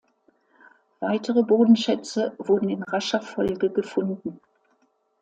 Weitere Bodenschätze wurden in rascher Folge gefunden.